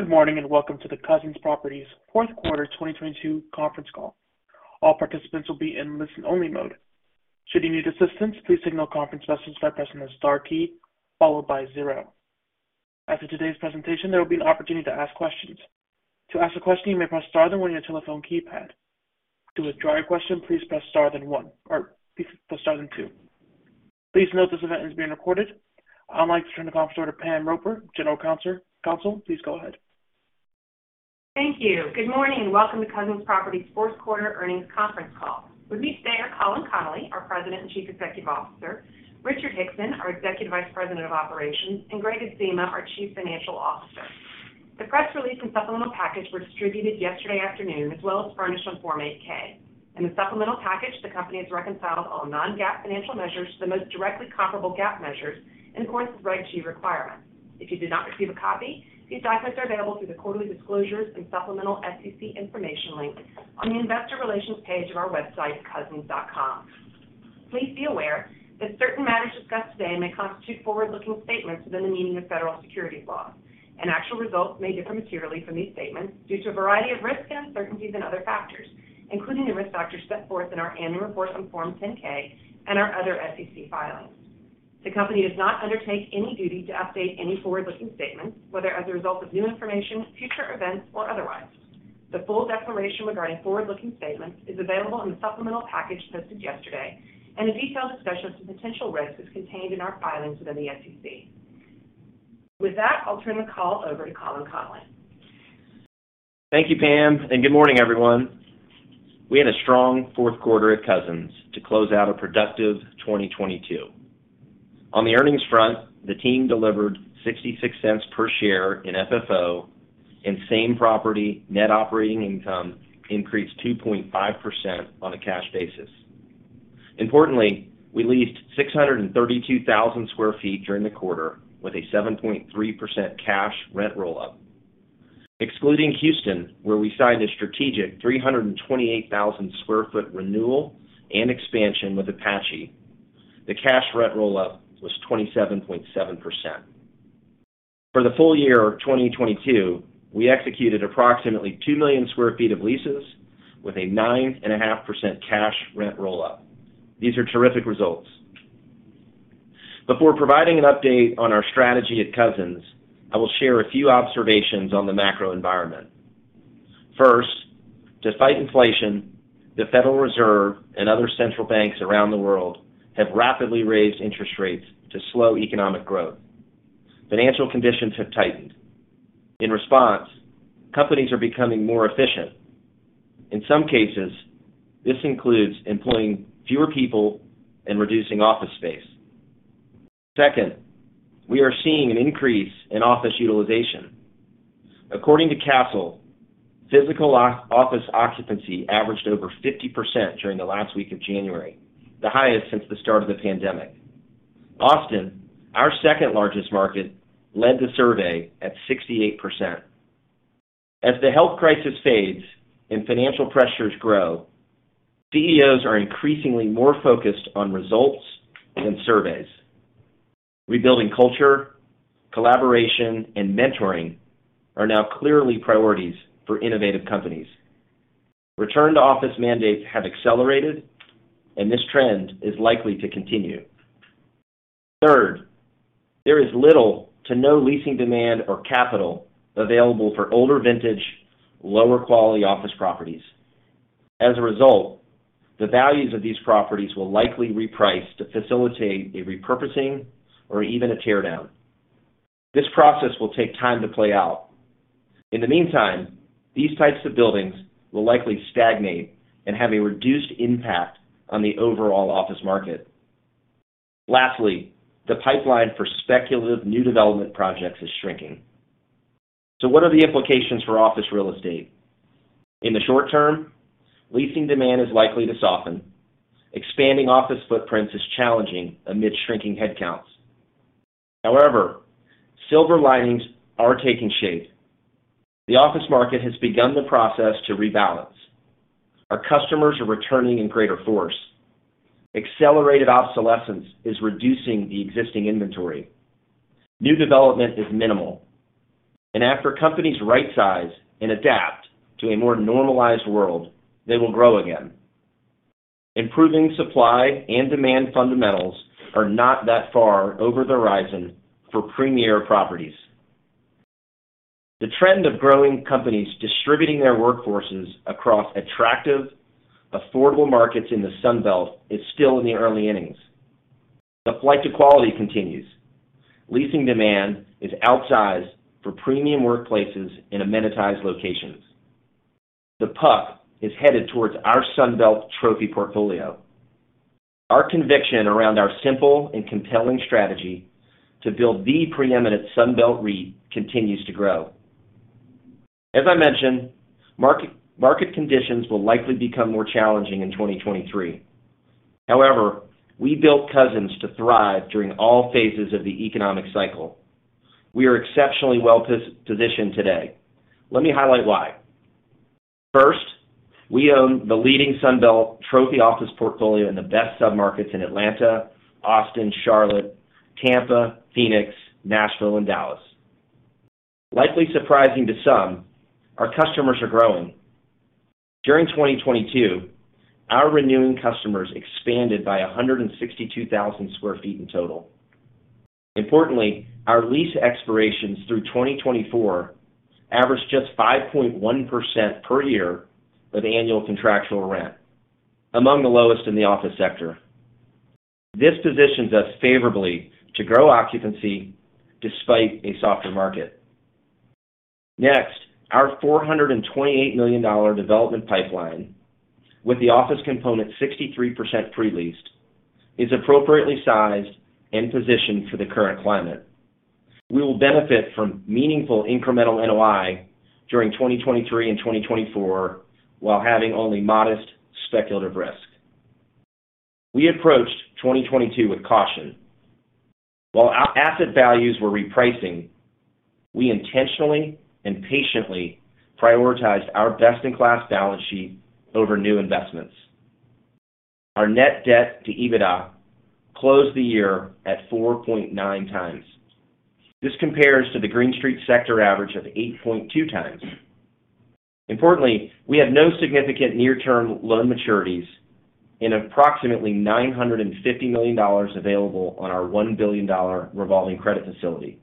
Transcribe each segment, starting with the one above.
Good morning, welcome to the Cousins Properties Fourth Quarter 2022 conference call. All participants will be in listen only mode. Should you need assistance, please signal conference messages by pressing the Star key followed by 0. After today's presentation, there will be an opportunity to ask questions. To ask a question, you may press Star then 1 on your telephone keypad. To withdraw your question, please press Star then 1 or press Star then 2. Please note this event is being recorded. I'd like to turn the conference over to Pam Roper, General Counsel. Please go ahead. Thank you. Good morning, welcome to Cousins Properties fourth quarter earnings conference call. With me today are Colin Connolly, our President and Chief Executive Officer, Richard Hickson, our Executive Vice President of Operations, and Gregg Adzema, our Chief Financial Officer. The press release and supplemental package were distributed yesterday afternoon, as well as furnished on Form 8-K. In the supplemental package, the company has reconciled all non-GAAP financial measures to the most directly comparable GAAP measures in accordance with Regulation G requirements. If you did not receive a copy, these documents are available through the quarterly disclosures and supplemental SEC information link on the investor relations page of our website, cousins.com. Please be aware that certain matters discussed today may constitute forward-looking statements within the meaning of federal securities laws, and actual results may differ materially from these statements due to a variety of risks and uncertainties and other factors, including the risk factors set forth in our annual report on Form 10-K and our other SEC filings. The company does not undertake any duty to update any forward-looking statements, whether as a result of new information, future events, or otherwise. The full declaration regarding forward-looking statements is available in the supplemental package posted yesterday, and a detailed discussion of potential risks is contained in our filings within the SEC. With that, I will turn the call over to Colin Connolly. Thank you, Pam. Good morning, everyone. We had a strong fourth quarter at Cousins to close out a productive 2022. On the earnings front, the team delivered $0.66 per share in FFO, and same property net operating income increased 2.5% on a cash basis. Importantly, we leased 632,000 sq ft during the quarter with a 7.3% cash rent roll up. Excluding Houston, where we signed a strategic 328,000 sq ft renewal and expansion with Apache, the cash rent roll up was 27.7%. For the full year of 2022, we executed approximately 2 million sq ft of leases with a 9.5% cash rent roll up. These are terrific results. Before providing an update on our strategy at Cousins, I will share a few observations on the macro environment. First, despite inflation, the Federal Reserve and other central banks around the world have rapidly raised interest rates to slow economic growth. Financial conditions have tightened. In response, companies are becoming more efficient. In some cases, this includes employing fewer people and reducing office space. Second, we are seeing an increase in office utilization. According to Kastle, physical office occupancy averaged over 50% during the last week of January, the highest since the start of the pandemic. Austin, our second largest market, led the survey at 68%. As the health crisis fades and financial pressures grow, CEOs are increasingly more focused on results than surveys. Rebuilding culture, collaboration, and mentoring are now clearly priorities for innovative companies. Return to office mandates have accelerated. This trend is likely to continue. Third, there is little to no leasing demand or capital available for older vintage, lower quality office properties. As a result, the values of these properties will likely reprice to facilitate a repurposing or even a tear down. This process will take time to play out. In the meantime, these types of buildings will likely stagnate and have a reduced impact on the overall office market. Lastly, the pipeline for speculative new development projects is shrinking. What are the implications for office real estate? In the short term, leasing demand is likely to soften. Expanding office footprints is challenging amid shrinking headcounts. However, silver linings are taking shape. The office market has begun the process to rebalance. Our customers are returning in greater force. Accelerated obsolescence is reducing the existing inventory. New development is minimal. After companies right size and adapt to a more normalized world, they will grow again. Improving supply and demand fundamentals are not that far over the horizon for premier properties. The trend of growing companies distributing their workforces across attractive, affordable markets in the Sun Belt is still in the early innings. The flight to quality continues. Leasing demand is outsized for premium workplaces in amenitized locations. The puck is headed towards our Sun Belt trophy portfolio. Our conviction around our simple and compelling strategy to build the preeminent Sun Belt REIT continues to grow. As I mentioned, market conditions will likely become more challenging in 2023. We built Cousins to thrive during all phases of the economic cycle. We are exceptionally well positioned today. Let me highlight why. First, we own the leading Sun Belt trophy office portfolio in the best submarkets in Atlanta, Austin, Charlotte, Tampa, Phoenix, Nashville, and Dallas. Likely surprising to some, our customers are growing. During 2022, our renewing customers expanded by 162,000 sq ft in total. Importantly, our lease expirations through 2024 average just 5.1% per year of annual contractual rent, among the lowest in the office sector. This positions just favorably, to grow occupancy despite a softer market. Next, our $428 million development pipeline, with the office component 63% pre-leased, is appropriately sized and positioned for the current climate. We will benefit from meaningful incremental NOI during 2023 and 2024 while having only modest speculative risk. We approached 2022 with caution. While our asset values were repricing, we intentionally and patiently prioritized our best-in-class balance sheet over new investments. Our net debt to EBITDA closed the year at 4.9x. This compares to the Green Street sector average of 8.2x. Importantly, we have no significant near term loan maturities and approximately $950 million available on our $1 billion revolving credit facility.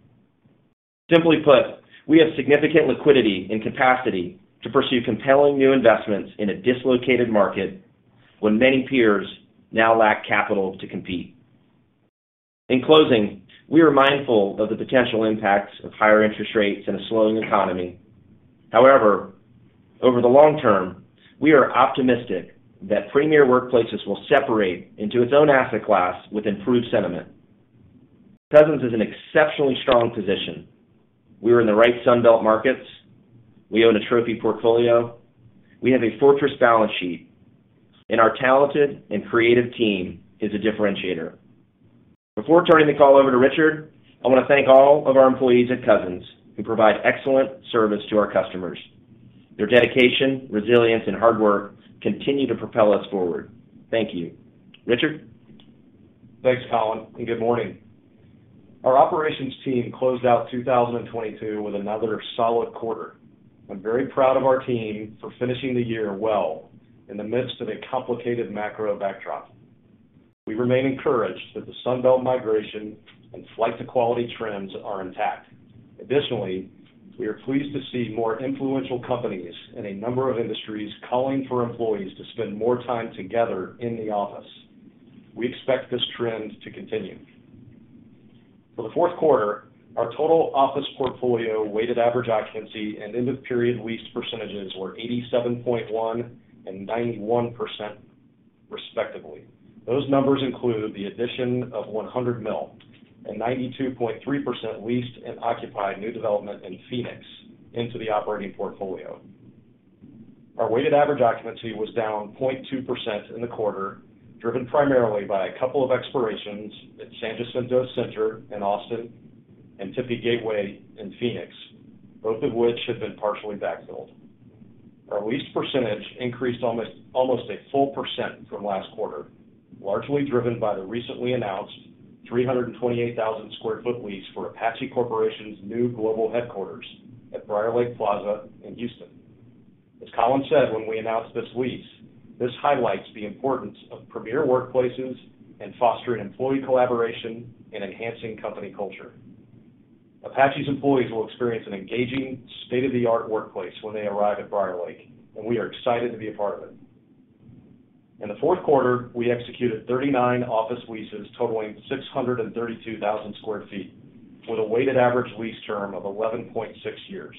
Simply put, we have significant liquidity and capacity to pursue compelling new investments in a dislocated market when many peers now lack capital to compete. In closing, we are mindful of the potential impacts of higher interest rates in a slowing economy. However over the long term, we are optimistic that premier workplaces will separate into its own asset class with improved sentiment. Cousins is in exceptionally strong position. We are in the right Sun Belt markets. We own a trophy portfolio. We have a fortress balance sheet, and our talented and creative team is a differentiator. Before turning the call over to Richard, I want to thank all of our employees at Cousins who provide excellent service to our customers. Their dedication, resilience, and hard work continue to propel us forward. Thank you. Richard? Thanks, Colin. Good morning. Our operations team closed out 2022 with another solid quarter. I'm very proud of our team for finishing the year well in the midst of a complicated macro backdrop. We remain encouraged that the Sun Belt migration and flight to quality trends are intact. We are pleased to see more influential companies in a number of industries calling for employees to spend more time together in the office. We expect this trend to continue. For the fourth quarter, our total office portfolio weighted average occupancy and in the period leased percentages were 87.1% and 91%, respectively. Those numbers include the addition of 100 Mill and 92.3% leased and occupied new development in Phoenix into the operating portfolio. Our weighted average occupancy was down 0.2% in the quarter, driven primarily by a couple of expirations at San Jacinto Center in Austin and Tempe Gateway in Phoenix, both of which have been partially backfilled. Our lease percentage increased almost 4% from last quarter, largely driven by the recently announced 328,000 sq ft lease for Apache Corporation's new global headquarters at Briarlake Plaza in Houston. As Colin said when we announced this lease, this highlights the importance of premier workplaces in fostering employee collaboration and enhancing company culture. Apache's employees will experience an engaging state-of-the-art workplace when they arrive at Briar Lake, we are excited to be a part of it. In the fourth quarter, we executed 39 office leases totaling 632,000 sq ft with a weighted average lease term of 11.6 years.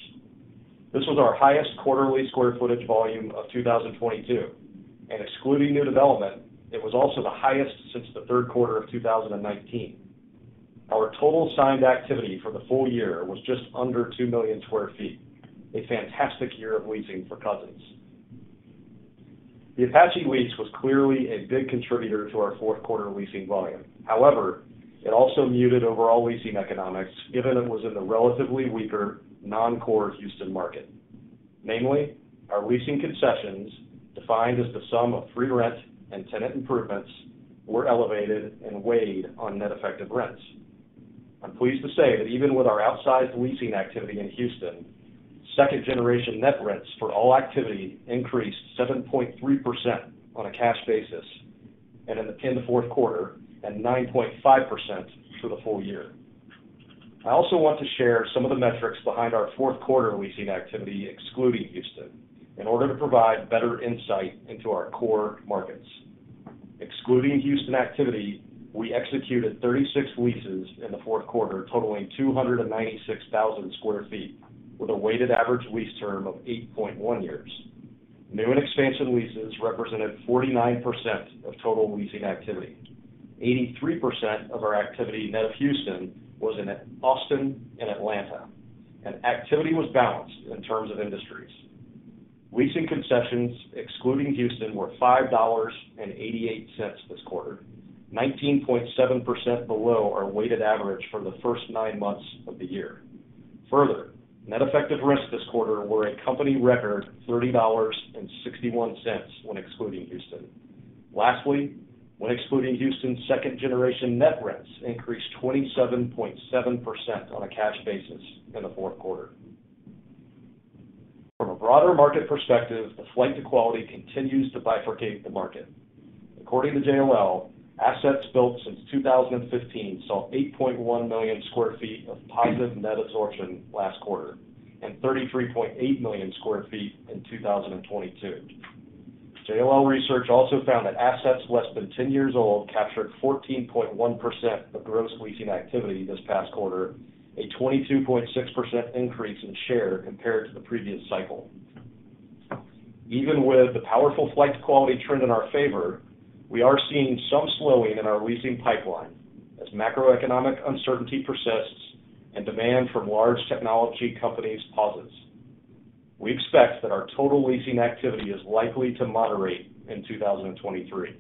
This was our highest quarterly square footage volume of 2022. Excluding new development, it was also the highest since the third quarter of 2019. Our total signed activity for the full year was just under 2 million sq ft. A fantastic year of leasing for Cousins. The Apache lease was clearly a big contributor to our fourth quarter leasing volume. However it also muted overall leasing economics, given it was in the relatively weaker non-core Houston market. Namely, our leasing concessions, defined as the sum of free rent and tenant improvements, were elevated and weighed on net effective rents. I'm pleased to say that even with our outsized leasing activity in Houston, second generation net rents for all activity increased 7.3% on a cash basis in the fourth quarter and 9.5% for the full year. I also want to share some of the metrics behind our fourth quarter leasing activity excluding Houston in order to provide better insight into our core markets. Excluding Houston activity, we executed 36 leases in the fourth quarter, totaling 296,000 square feet with a weighted average lease term of 8.1 years. New and expansion leases represented 49% of total leasing activity. 83% of our activity net of Houston was in Austin and Atlanta. Activity was balanced in terms of industries. Leasing concessions excluding Houston were $5.88 this quarter. 19.7% below our weighted average for the first nine months of the year. Further, net effective rents this quarter were a company record $30.61 when excluding Houston. Lastly, when excluding Houston's second generation, net rents increased 27.7% on a cash basis in the fourth quarter. From a broader market perspective, the flight to quality continues to bifurcate the market. According to JLL, assets built since 2015 saw 8.1 million sq ft of positive net absorption last quarter, and 33.8 million sq ft in 2022. JLL research also found that assets less than 10 years old captured 14.1% of gross leasing activity this past quarter, a 22.6% increase in share compared to the previous cycle. Even with the powerful flight to quality trend in our favor, we are seeing some slowing in our leasing pipeline as macroeconomic uncertainty persists and demand from large technology companies pauses. We expect that our total leasing activity is likely to moderate in 2023.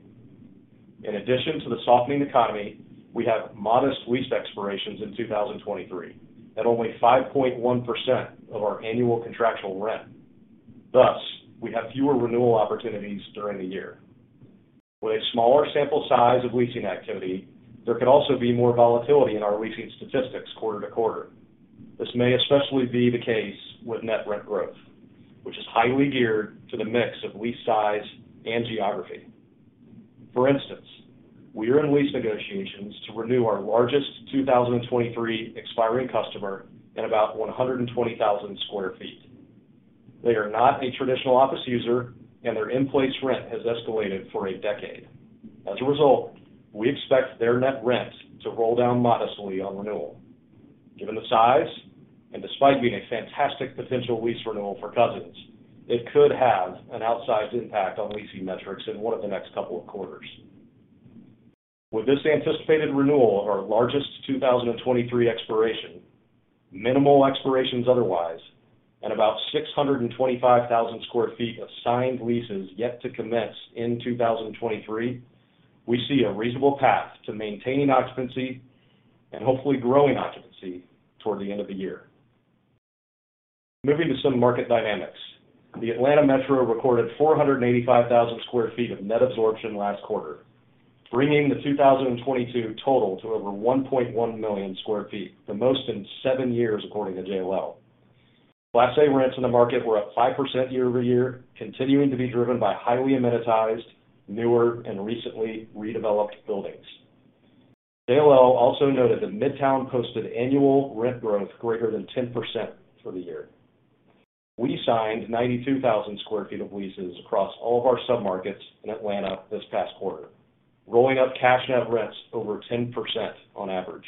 In addition to the softening economy, we have modest lease expirations in 2023 at only 5.1% of our annual contractual rent. Thus, we have fewer renewal opportunities during the year. With a smaller sample size of leasing activity, there could also be more volatility in our leasing statistics quarter-to-quarter. This may especially be the case with net rent growth, which is highly geared to the mix of lease size and geography. For instance, we are in lease negotiations to renew our largest 2023 expiring customer in about 120,000 sq ft. They are not a traditional office user, and their in-place rent has escalated for a decade. As a result, we expect their net rent to roll down modestly on renewal. Given the size, and despite being a fantastic potential lease renewal for Cousins, it could have an outsized impact on leasing metrics in one of the next couple of quarters. With this anticipated renewal of our largest 2023 expiration, minimal expirations otherwise, and about 625,000 sq ft of signed leases yet to commence in 2023, we see a reasonable path to maintaining occupancy and hopefully growing occupancy toward the end of the year. Moving to some market dynamics. The Atlanta Metro recorded 485,000 sq ft of net absorption last quarter, bringing the 2022 total to over 1.1 million sq ft, the most in seven years according to JLL. Class A rents in the market were up 5% year-over-year, continuing to be driven by highly amenitized, newer and recently redeveloped buildings. JLL also noted that Midtown posted annual rent growth greater than 10% for the year. We signed 92,000 sq ft of leases across all of our submarkets in Atlanta this past quarter, rolling up cash net rents over 10% on average.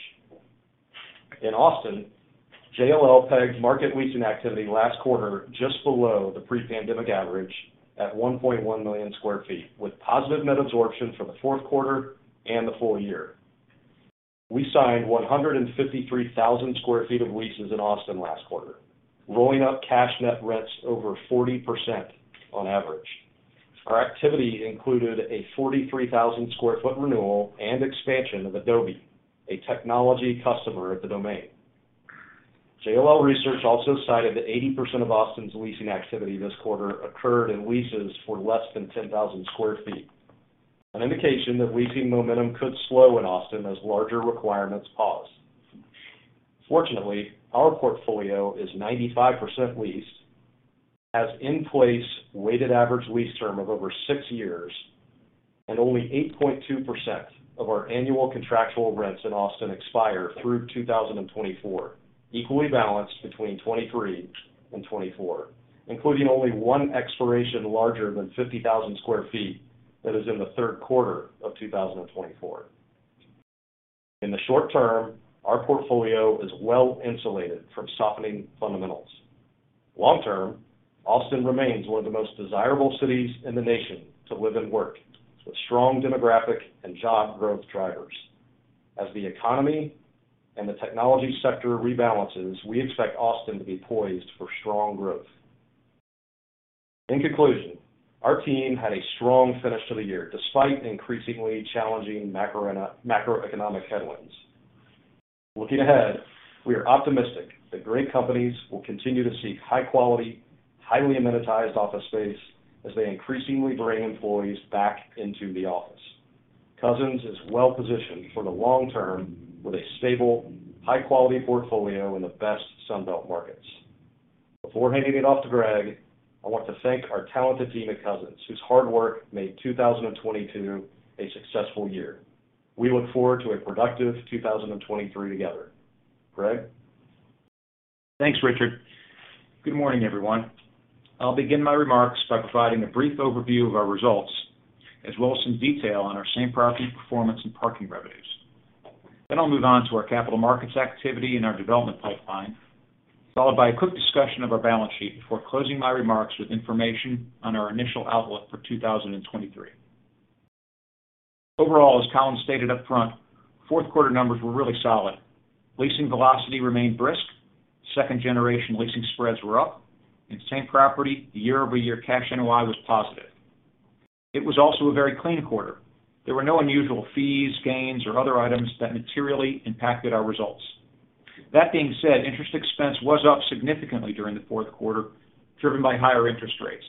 In Austin, JLL pegged market leasing activity last quarter just below the pre-pandemic average at 1.1 million sq ft, with positive net absorption for the fourth quarter and the full year. We signed 153,000 sq ft of leases in Austin last quarter, rolling up cash net rents over 40% on average. Our activity included a 43,000 sq ft renewal and expansion of Adobe, a technology customer at The Domain. JLL research also cited that 80% of Austin's leasing activity this quarter occurred in leases for less than 10,000 sq ft, an indication that leasing momentum could slow in Austin as larger requirements pause. Fortunately, our portfolio is 95% leased, has in place weighted average lease term of over 6 years, and only 8.2% of our annual contractual rents in Austin expire through 2024, equally balanced between '23 and '24, including only 1 expiration larger than 50,000 sq ft that is in the third quarter of 2024. In the short term, our portfolio is well insulated from softening fundamentals. Long term, Austin remains one of the most desirable cities in the nation to live and work, with strong demographic and job growth drivers. As the economy and the technology sector rebalances, we expect Austin to be poised for strong growth. In conclusion, our team had a strong finish to the year, despite increasingly challenging macroeconomic headwinds. Looking ahead, we are optimistic that great companies will continue to seek high quality, highly amenitized office space as they increasingly bring employees back into the office. Cousins is well positioned for the long term with a stable, high quality portfolio in the best Sun Belt markets. Before handing it off to Greg, I want to thank our talented team at Cousins, whose hard work made 2022 a successful year. We look forward to a productive 2023 together. Greg? Thanks, Richard. Good morning, everyone. I'll begin my remarks by providing a brief overview of our results, as well as some detail on our same property performance and parking revenues. I will move on to our capital markets activity and our development pipeline, followed by a quick discussion of our balance sheet before closing my remarks with information on our initial outlook for 2023. Overall, as Colin stated up front, fourth quarter numbers were really solid. Leasing velocity remained brisk. Second generation leasing spreads were up. In same property, year-over-year cash NOI was positive. It was also a very clean quarter. There were no unusual fees, gains, or other items that materially impacted our results. That being said, interest expense was up significantly during the fourth quarter, driven by higher interest rates.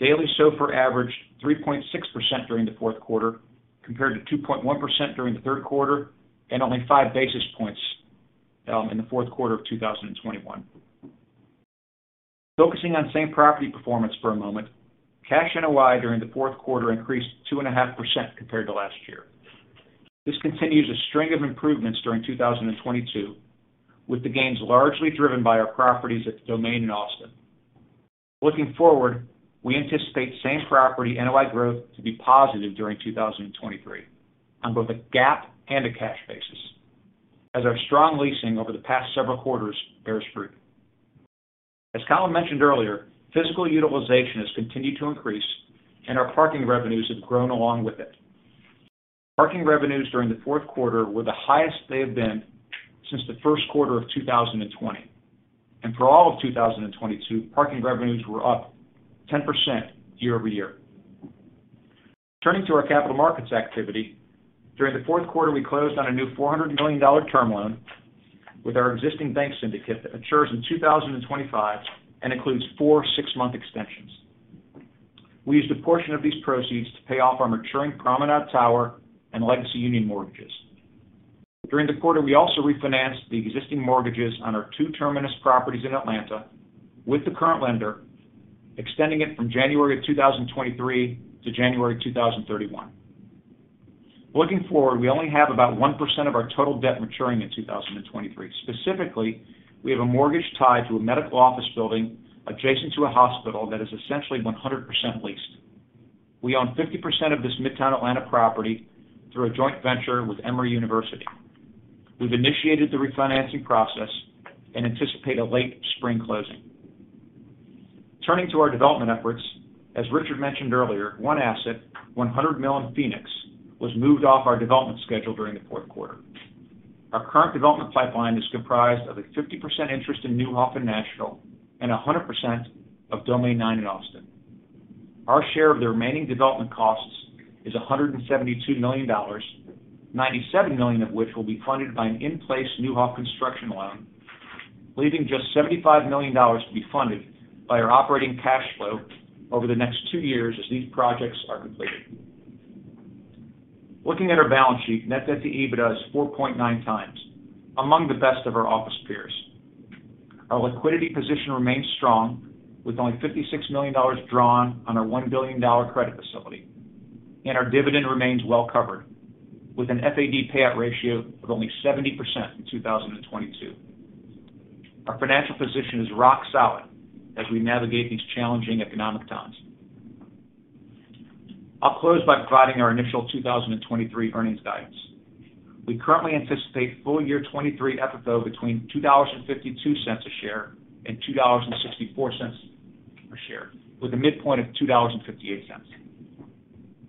Daily SOFR averaged 3.6% during the fourth quarter, compared to 2.1% during the third quarter, and only 5 basis points in the fourth quarter of 2021. Focusing on same property performance for a moment, cash NOI during the fourth quarter increased 2.5% compared to last year. This continues a string of improvements during 2022, with the gains largely driven by our properties at Domain in Austin. Looking forward, we anticipate same property NOI growth to be positive during 2023 on both a GAAP and a cash basis, as our strong leasing over the past several quarters bears fruit. As Colin mentioned earlier, physical utilization has continued to increase, and our parking revenues have grown along with it. Parking revenues during the 4th quarter were the highest they have been since the 1st quarter of 2020. For all of 2022, parking revenues were up 10% year-over-year. Turning to our capital markets activity, during the 4th quarter, we closed on a new $400 million term loan with our existing bank syndicate that matures in 2025 and includes 4 six-month extensions. We used a portion of these proceeds to pay off our maturing Promenade Tower and Legacy Union mortgages. During the quarter, we also refinanced the existing mortgages on our 2 Terminus properties in Atlanta with the current lender, extending it from January 2023 to January 2031. Looking forward, we only have about 1% of our total debt maturing in 2023. Specifically, we have a mortgage tied to a medical office building adjacent to a hospital that is essentially 100% leased. We own 50% of this Midtown Atlanta property through a joint venture with Emory University. We have initiated the refinancing process and anticipate a late spring closing. Turning to our development efforts, as Richard mentioned earlier, one asset, 100 Mill in Phoenix, was moved off our development schedule during the fourth quarter. Our current development pipeline is comprised of a 50% interest in Neuhoff in Nashville and 100% of Domain Nine in Austin. Our share of the remaining development costs is $172 million, $97 million of which will be funded by an in-place Neuhoff construction loan, leaving just $75 million to be funded by our operating cash flow over the next two years as these projects are completed. Looking at our balance sheet, net debt to EBITDA is 4.9 times, among the best of our office peers. Our liquidity position remains strong with only $56 million drawn on our $1 billion credit facility, and our dividend remains well covered with an FAD payout ratio of only 70% in 2022. Our financial position is rock solid as we navigate these challenging economic times. I'll close by providing our initial 2023 earnings guidance. We currently anticipate full year 2023 FFO between $2.52 a share and $2.64 a share, with a midpoint of $2.58.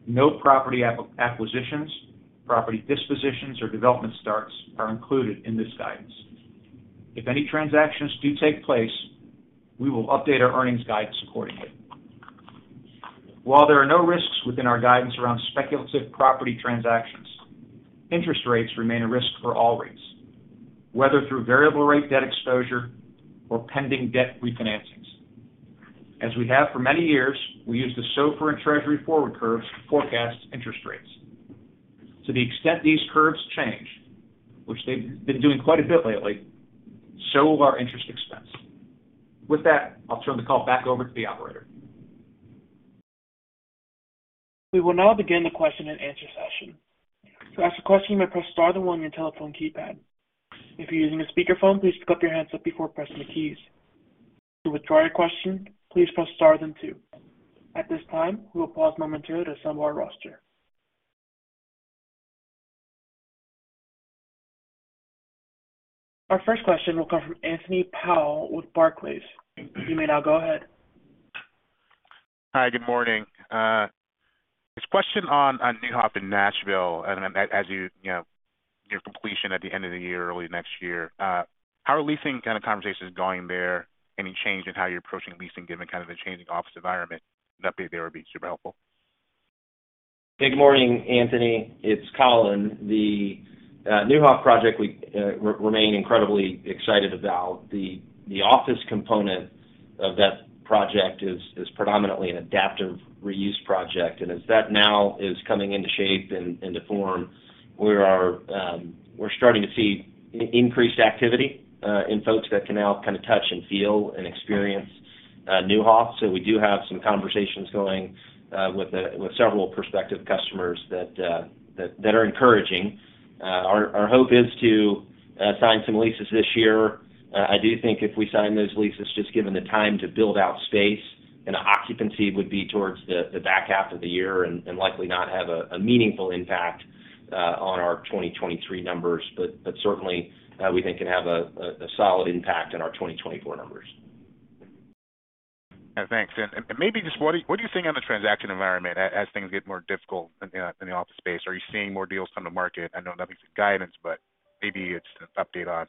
No property acquisitions, property dispositions, or development starts are included in this guidance. If any transactions do take place, we will update our earnings guidance accordingly. While there are no risks within our guidance around speculative property transactions, interest rates remain a risk for all REITs, whether through variable rate debt exposure or pending debt refinancings. As we have for many years, we use the SOFR and Treasury forward curves to forecast interest rates. To the extent these curves change, which they have been doing quite a bit lately, so will our interest expense. With that, I'll turn the call back over to the operator. We will now begin the question and answer session. To ask a question, you may press star then one on your telephone keypad. If you're using a speakerphone, please pick up your handset before pressing the keys. To withdraw your question, please press star then two. At this time, we will pause momentarily to assemble our roster. Our first question will come from Anthony Powell with Barclays. You may now go ahead. Hi, good morning. This question on Neuhoff in Nashville, then you know, your completion at the end of the year, early next year. How are leasing kind of conversations going there? Any change in how you're approaching leasing given kind of the changing office environment? An update there would be super helpful. Good morning, Anthony. It's Colin. The Neuhoff project we remain incredibly excited about. The office component of that project is predominantly an adaptive reuse project. As that now is coming into shape and to form, we are starting to see increased activity in folks that can now kind of touch and feel and experience Neuhoff. We do have some conversations going with several prospective customers that are encouraging. Our hope is to sign some leases this year. I do think if we sign those leases, just given the time to build out space and occupancy would be towards the back half of the year and likely not have a meaningful impact on our 2023 numbers. Certainly, we think can have a solid impact on our 2024 numbers. Thanks. Maybe just what do you think on the transaction environment as things get more difficult in the office space? Are you seeing more deals come to market? I know that means guidance, but maybe it's an update on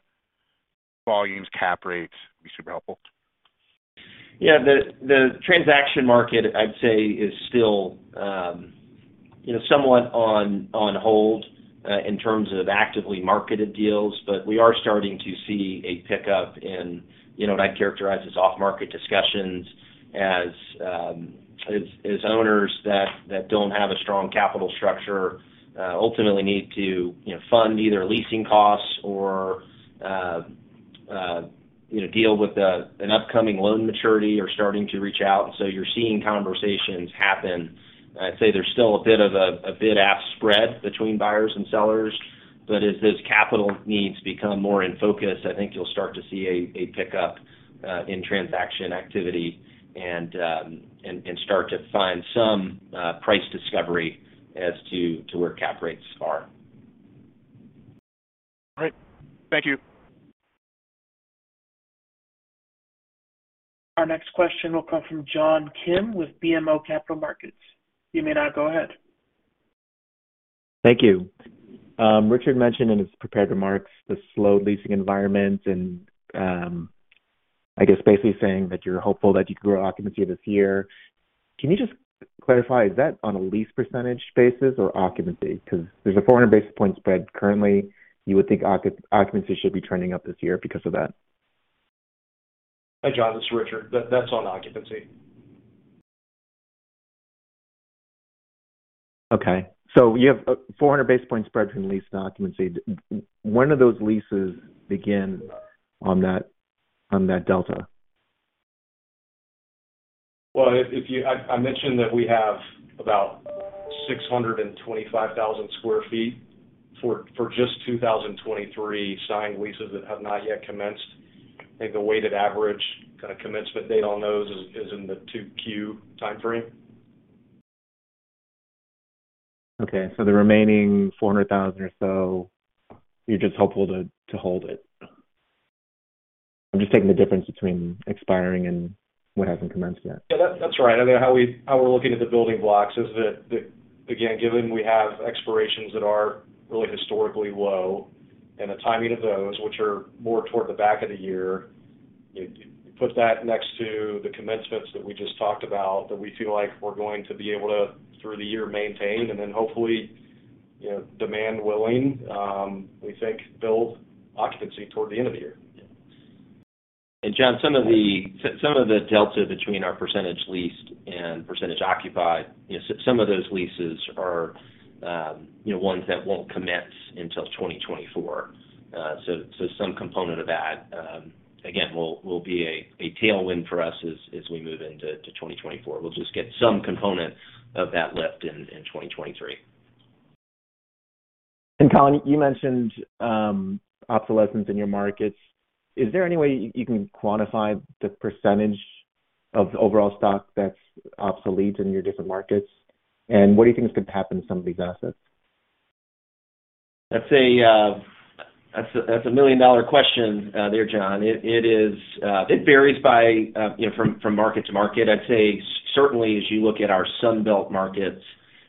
volumes, cap rates, be super helpful. Yeah. The transaction market, I'd say, is still, you know, somewhat on hold in terms of actively marketed deals. We are starting to see a pickup in, you know, what I'd characterize as off-market discussions as owners that don't have a strong capital structure ultimately need to, you know, fund either leasing costs or, you know, deal with an upcoming loan maturity are starting to reach out. You are seeing conversations happen. I'd say there's still a bit of a bid-ask spread between buyers and sellers. As those capital needs become more in focus, I think you'll start to see a pickup in transaction activity and start to find some price discovery as to where cap rates are. All right. Thank you. Our next question will come from John Kim with BMO Capital Markets. You may now go ahead. Thank you. Richard mentioned in his prepared remarks the slow leasing environment and saying that you're hopeful that you can grow occupancy this year. Can you just clarify, is that on a lease percentage basis or occupancy? There is a 400 basis point spread currently, you would think occupancy should be trending up this year because of that. Hi, John. This is Richard. That's on occupancy. Okay. you have 400 basis points spread from lease to occupancy. When do those leases begin on that delta? If I mentioned that we have about 625,000 sq ft for just 2023 signed leases that have not yet commenced. I think the weighted average kind of commencement date on those is in the 2Q timeframe. Okay. So the remaining $400,000 or so, you're just hopeful to hold it. I'm just taking the difference between expiring and what hasn't commenced yet. That's right. I mean, how we're looking at the building blocks is that again, given we have expirations that are really historically low and the timing of those which are more toward the back of the year, you put that next to the commencements that we just talked about, that we feel like we are going to be able to, through the year, maintain and then hopefully, you know, demand willing, we think build occupancy toward the end of the year. John, some of the delta between our percentage leased and percentage occupied, you know, some of those leases are, you know, ones that won't commence until 2024. Some component of that, again, will be a tailwind for us as we move into 2024. We'll just get some component of that lift in 2023. Colin, you mentioned obsolescence in your markets. Is there any way you can quantify the percentage of the overall stock that's obsolete in your different markets? And what do you think is going to happen to some of these assets? That's a, that's a, that is a million-dollar question there, John. It varies by, you know, from market to market. I'd say certainly as you look at our Sun Belt markets,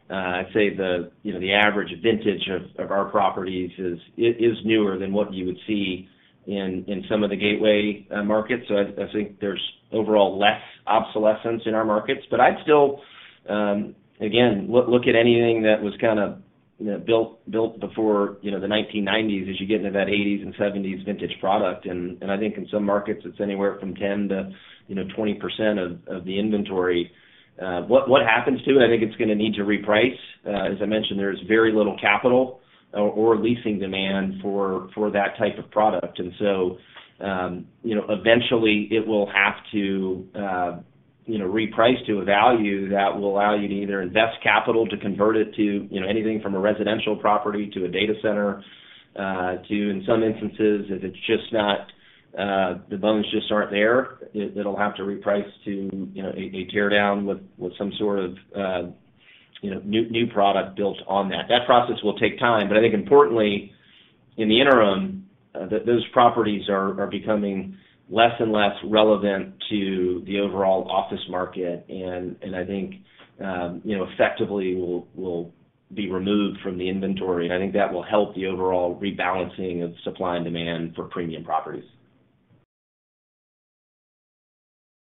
I'd say the, you know, the average vintage of our properties is newer than what you would see in some of the gateway markets. I think there is overall less obsolescence in our markets. I'd still again, look at anything that was kind of, you know, built before, you know, the nineteen-nineties as you get into that eighties and seventies vintage product. I think in some markets it's anywhere from 10% to, you know, 20% of the inventory. What happens to it? I think it's gonna need to reprice. As I mentioned, there's very little capital or leasing demand for that type of product. Eventually, you know, it will have to, you know, reprice to a value that will allow you to either invest capital to convert it to, you know, anything from a residential property to a data center, to in some instances, if it's just not, the bones just aren't there, it'll have to reprice to, you know, a tear down with some sort of, you know, new product built on that. That process will take time. I think importantly in the interim, those properties are becoming less and less relevant to the overall office market and I think, you know, effectively will be removed from the inventory, and I think that will help the overall rebalancing of supply and demand for premium properties.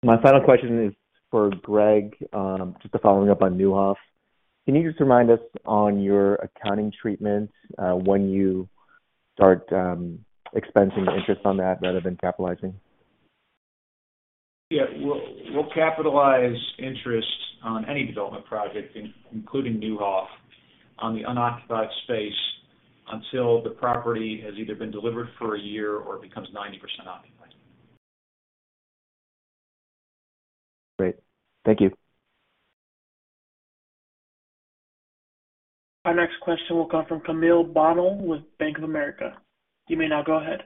My final question is for Gregg. Just following up on Neuhoff, can you just remind us on your accounting treatment when you start expensing the interest on that rather than capitalizing? Yeah. We'll capitalize interest on any development project including Neuhoff on the unoccupied space until the property has either been delivered for a year or becomes 90% occupied. Great. Thank you. Our next question will come from Camille Bonnel with Bank of America. You may now go ahead.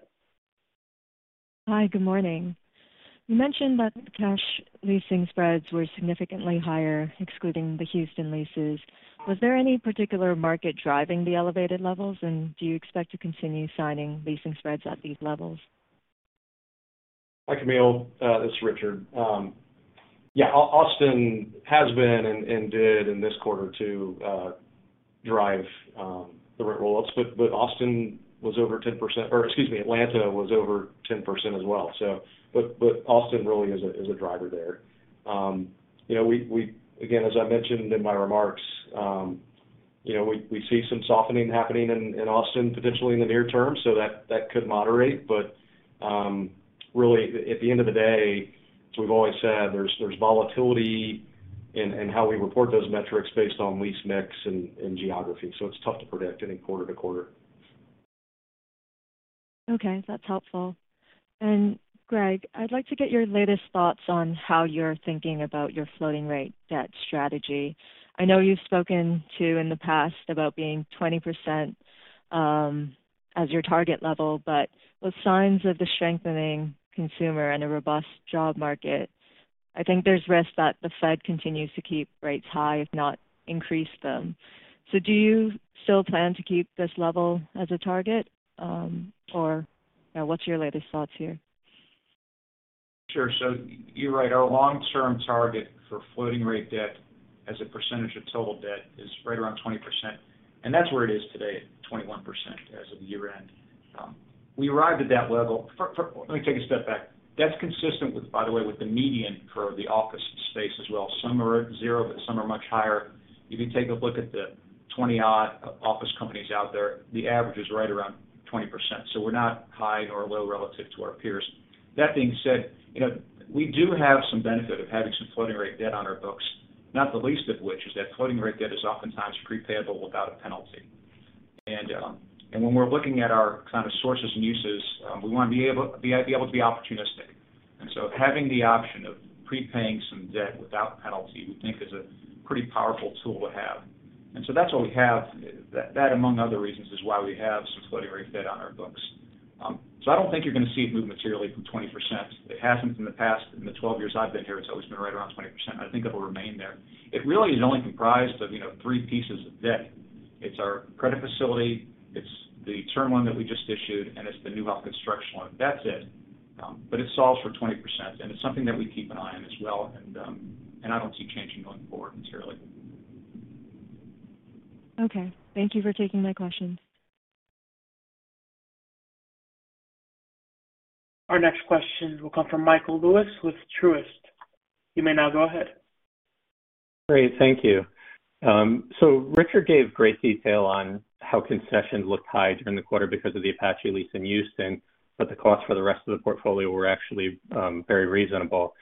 Hi. Good morning. You mentioned that cash leasing spreads were significantly higher, excluding the Houston leases. Was there any particular market driving the elevated levels, and do you expect to continue signing leasing spreads at these levels? Hi, Camille. It's Richard. Yeah, Austin has been and did in this quarter to drive the rent roll-ups. Austin was over 10% or excuse me, Atlanta was over 10% as well. Austin really is a driver there. You know, we Again, as I mentioned in my remarks, you know, we see some softening happening in Austin potentially in the near term, so that could moderate. Really at the end of the day, as we have always said, there is volatility in how we report those metrics based on lease mix and geography. It's tough to predict any quarter to quarter. Okay, that's helpful. Gregg, I'd like to get your latest thoughts on how you're thinking about your floating rate debt strategy. I know you have spoken to in the past about being 20% as your target level. With signs of the strengthening consumer and a robust job market, I think there is risk that the Fed continues to keep rates high, if not increase them. Do you still plan to keep this level as a target, or, you know, what's your latest thoughts here? Sure. You're right. Our long-term target for floating rate debt as a percentage of total debt is right around 20%, and that's where it is today, at 21% as of year-end. We arrived at that level. Let me take a step back. That's consistent with, by the way, with the median for the office space as well. Some are at zero, but some are much higher. If you take a look at the 20 odd office companies out there, the average is right around 20%, so we are not high or low relative to our peers. That being said, you know, we do have some benefit of having some floating rate debt on our books, not the least of which is that floating rate debt is oftentimes prepayable without a penalty. When we are looking at our kind of sources and uses, we want to be able to be opportunistic. Having the option of prepaying some debt without penalty, we think is a pretty powerful tool to have. That's what we have. That among other reasons, is why we have some floating rate debt on our books. I don't think you're gonna see it move materially from 20%. It hasn't in the past. In the 12 years I've been here, it's always been right around 20%. I think it will remain there. It really is only comprised of, you know, 3 pieces of debt. It's our credit facility, it's the term loan that we just issued, and it's the Neuhoff construction loan. That's it. It solves for 20%, and it's something that we keep an eye on as well. And I don't see it changing going forward materially. Okay. Thank you for taking my questions. Our next question will come from Michael Lewis with Truist. You may now go ahead. Great. Thank you. Richard gave great detail on how concessions looked high during the quarter because of the Apache lease in Houston, the costs for the rest of the portfolio were actually, very reasonable.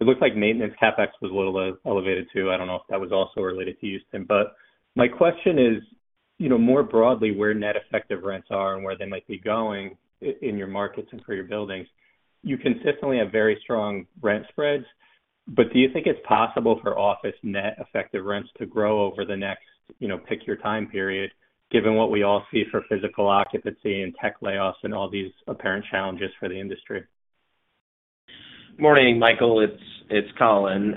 It looks like maintenance CapEx was a little elevated too. I don't know if that was also related to Houston. My question is, you know, more broadly, where net effective rents are and where they might be going in your markets and for your buildings. You consistently have very strong rent spreads, do you think it's possible for office net effective rents to grow over the next, you know, pick your time period, given what we all see for physical occupancy and tech layoffs and all these apparent challenges for the industry? Morning, Michael. It's Colin.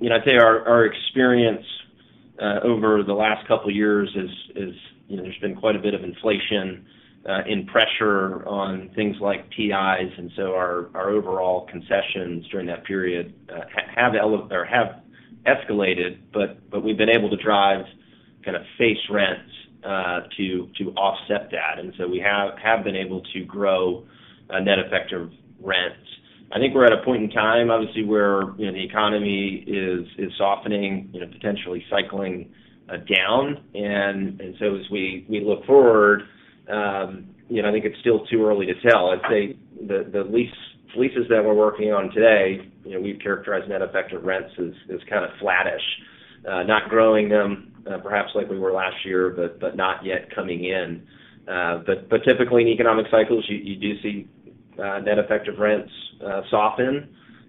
You know, I'd say our experience over the last couple years is, you know, there's been quite a bit of inflation in pressure on things like TIs. Our overall concessions during that period have escalated, but we have been able to drive kind of face rents to offset that. We have been able to grow net effective rents. I think we are at a point in time, obviously, where, you know, the economy is softening, you know, potentially cycling down. As we look forward, you know, I think it's still too early to tell. I'd say the leases that we are working on today, you know, we have characterized net effective rents as kind of flattish. Not growing them, perhaps like we were last year, but not yet coming in. Typically in economic cycles, you do see net effective rents soften.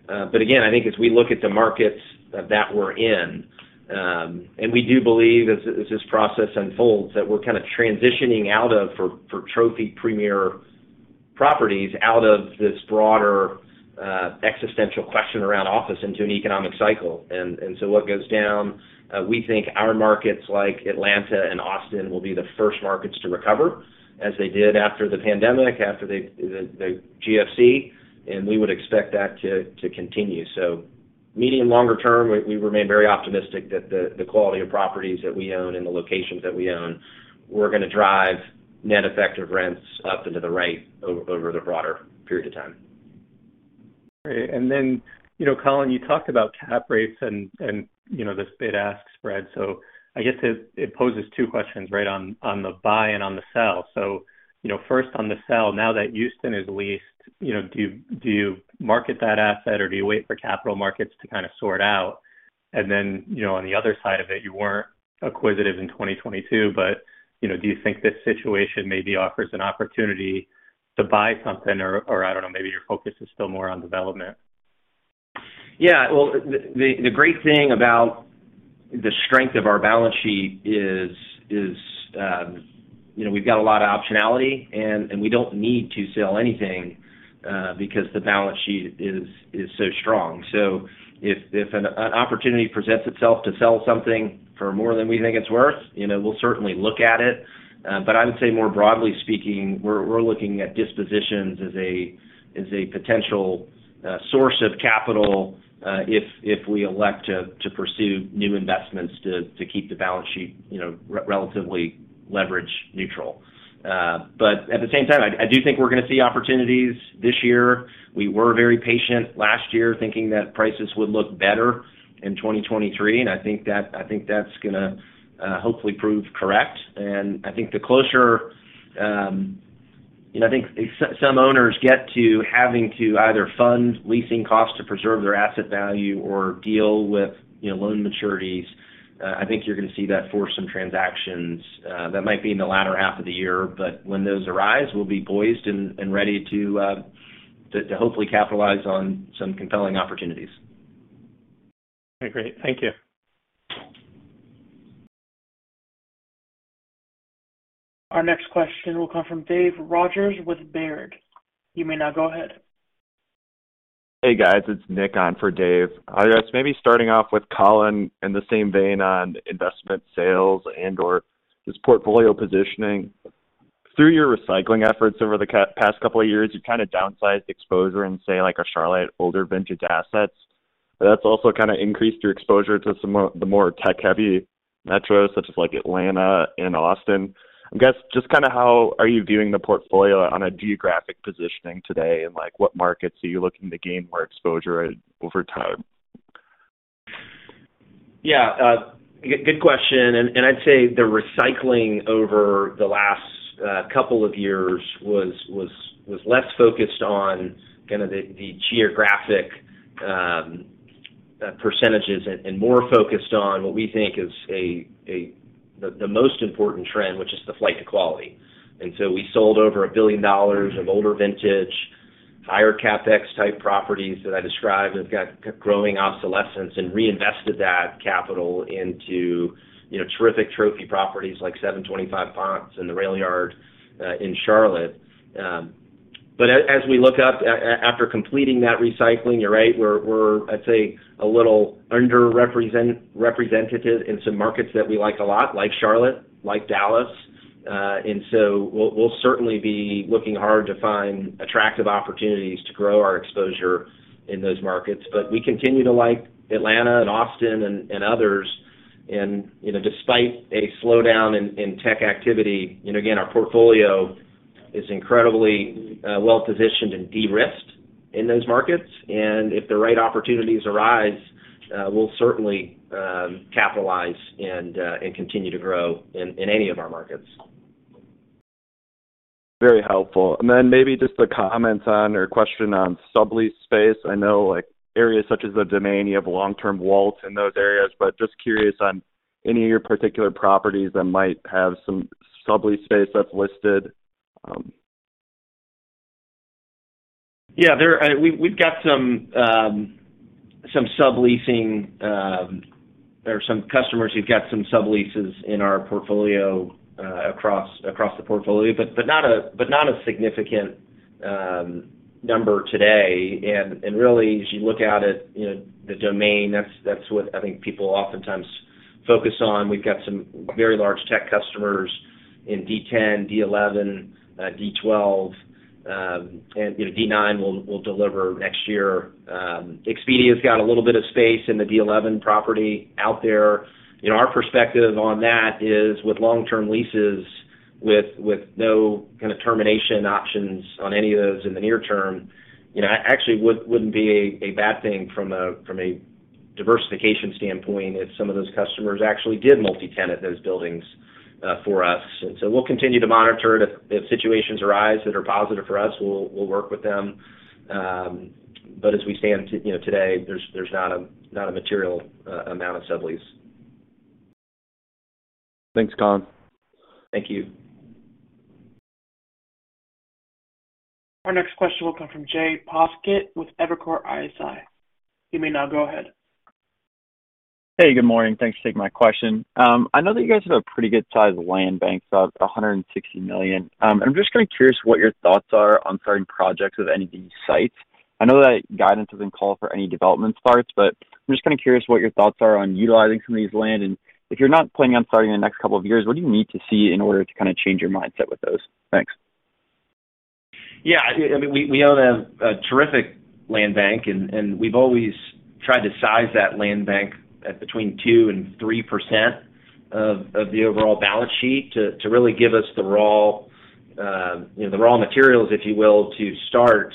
Again, I think as we look at the markets that we're in, and we do believe as this process unfolds, that we are kind of transitioning out of for trophy premier properties out of this broader existential question around office into an economic cycle. What goes down, we think our markets like Atlanta and Austin will be the first markets to recover, as they did after the pandemic, after the GFC, and we would expect that to continue. So medium, longer term, we remain very optimistic that the quality of properties that we own and the locations that we own, we're gonna drive net effective rents up into the right over the broader period of time. Great. You know, Colin, you talked about cap rates and, you know, this bid-ask spread. I guess it poses two questions, right, on the buy and on the sell. You know, first on the sell, now that Houston is leased, you know, do you, do you market that asset, or do you wait for capital markets to kind of sort out? You know, on the other side of it, you weren't acquisitive in 2022, but, you know, do you think this situation maybe offers an opportunity to buy something? I don't know, maybe your focus is still more on development. Well, the great thing about the strength of our balance sheet is, you know, we have got a lot of optionality and we don't need to sell anything because the balance sheet is so strong. If an opportunity presents itself to sell something for more than we think it's worth, you know, we'll certainly look at it. I would say more broadly speaking, we're looking at dispositions as a potential source of capital if we elect to pursue new investments to keep the balance sheet, you know, relatively leverage neutral. At the same time, I do think we're gonna see opportunities this year. We were very patient last year thinking that prices would look better in 2023. I think that's gonna hopefully prove correct. I think the closer, you know, I think some owners get to having to either fund leasing costs to preserve their asset value or deal with, you know, loan maturities, I think you are gonna see that force some transactions that might be in the latter half of the year. When those arise, we'll be poised and ready to hopefully capitalize on some compelling opportunities. Okay, great. Thank you. Our next question will come from Dave Rodgers with Baird. You may now go ahead. Hey, guys. It's Nick on for Dave. I guess maybe starting off with Colin in the same vein on investment sales and/or just portfolio positioning. Through your recycling efforts over the past couple of years, you've kind of downsized exposure in say like a Charlotte older vintage assets. That's also kind of increased your exposure to the more tech-heavy metros, such as like Atlanta and Austin. I guess, just kind of how are you viewing the portfolio on a geographic positioning today, like, what markets are you looking to gain more exposure over time? Yeah. Good question, and I'd say the recycling over the last couple of years was less focused on kind of the geographic percentages and more focused on what we think is the most important trend, which is the flight to quality. Until we sold over $1 billion of older vintage, higher CapEx type properties that I described have got growing obsolescence and reinvested that capital into, you know, terrific trophy properties like 725 Ponce and The Railyard in Charlotte. As we look out after completing that recycling, you're right, we're, I'd say, a little underrepresentative in some markets that we like a lot, like Charlotte, like Dallas. We'll certainly be looking hard to find attractive opportunities to grow our exposure in those markets. We continue to like Atlanta and Austin and others. You know, despite a slowdown in tech activity, you know, again, our portfolio is incredibly well positioned and de-risked in those markets. If the right opportunities arise, we will certainly capitalize and continue to grow in any of our markets. Very helpful. Maybe just a comment on or question on sublease space. I know, like, areas such as The Domain, you have long-term walls in those areas. Just curious on any of your particular properties that might have some sublease space that's listed. Yeah. We have got some subleasing, or some customers who've got some subleases in our portfolio, across the portfolio, but not a significant number today. Really, as you look at it, you know, The Domain, that's what I think people oftentimes focus on. We've got some very large tech customers in D10, D11, D12, and, you know, D9 we'll deliver next year. Expedia's got a little bit of space in the D11 property out there. You know, our perspective on that is with long-term leases with no kind of termination options on any of those in the near term, you know, actually wouldn't be a bad thing from a diversification standpoint if some of those customers actually did multi-tenant those buildings for us. We will continue to monitor it. If situations arise that are positive for us, we'll work with them. As we stand you know, today, there's not a material amount of sublease. Thanks, Colin. Thank you. Our next question will come from Jay Poskitt with Evercore ISI. You may now go ahead. Hey, good morning. Thanks for taking my question. I know that you guys have a pretty good size land bank, about $160 million. I'm just kind of curious what your thoughts are on starting projects of any of these sites. I know that guidance doesn't call for any development starts, but I'm just kind of curious what your thoughts are on utilizing some of these land. If you're not planning on starting in the next couple of years, what do you need to see in order to kind of change your mindset with those? Thanks. Yeah. I mean, we own a terrific land bank, and we have always tried to size that land bank at between 2% and 3% of the overall balance sheet to really give us the raw, you know, the raw materials, if you will, to start,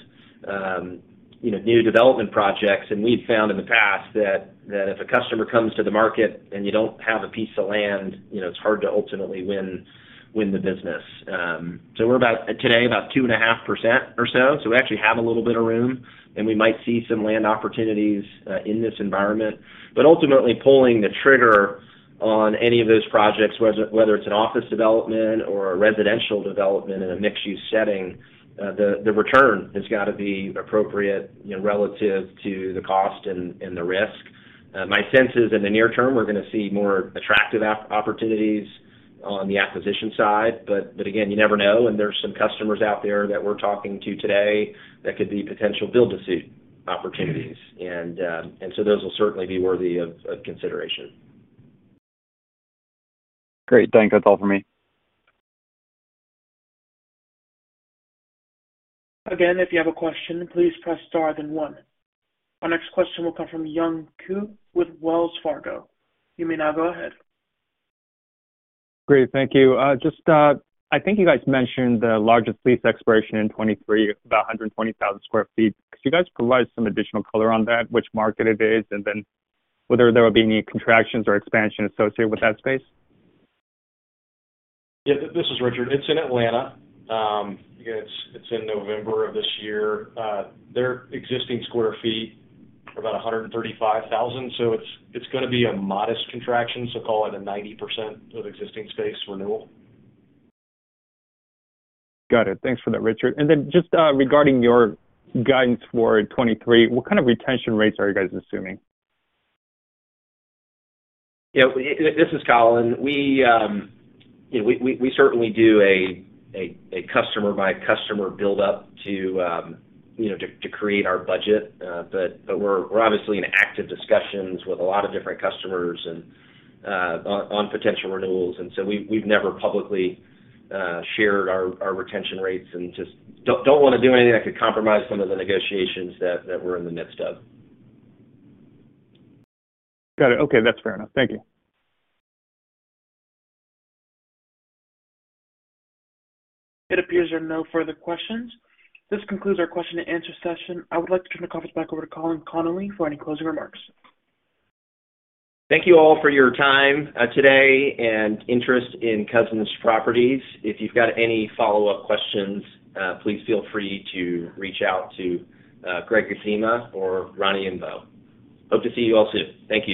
you know, new development projects. We have found in the past that if a customer comes to the market and you don't have a piece of land, you know, it's hard to ultimately win the business. We are about, today, about 2.5% or so. We actually have a little bit of room, and we might see some land opportunities in this environment. Ultimately, pulling the trigger on any of those projects, whether it's an office development or a residential development in a mixed-use setting, the return has got to be appropriate, you know, relative to the cost and the risk. My sense is, in the near term, we're gonna see more attractive opportunities on the acquisition side. Again, you never know, and there's some customers out there that we're talking to today that could be potential build-to-suit opportunities. Those will certainly be worthy of consideration. Great. Thanks. That's all for me. Again, if you have a question, please press star then one. Our next question will come from Young Ku with Wells Fargo. You may now go ahead. Great. Thank you. Just, I think you guys mentioned the largest lease expiration in 23, about 120,000 sq ft. Could you guys provide some additional color on that, which market it is, and then whether there will be any contractions or expansion associated with that space? This is Richard. It's in Atlanta. It's in November of this year. Their existing square feet are about 135,000, so it's gonna be a modest contraction, so call it a 90% of existing space renewal. Got it. Thanks for that, Richard. And then just, regarding your guidance for 2023, what kind of retention rates are you guys assuming? Yeah. This is Colin. We, you know, we certainly do a customer by customer build up to, you know, to create our budget. We are obviously in active discussions with a lot of different customers and on potential renewals, and so we have never publicly shared our retention rates and just don't wanna do anything that could compromise some of the negotiations that we're in the midst of. Got it. Okay, that's fair enough. Thank you. It appears there are no further questions. This concludes our question and answer session. I would like to turn the conference back over to Colin Connolly for any closing remarks. Thank you all for your time today and interest in Cousins Properties. If you've got any follow-up questions, please feel free to reach out to Gregg Adzema or Roni Imbeaux. Hope to see you all soon. Thank you.